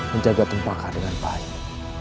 menjaga jempa kau dengan baik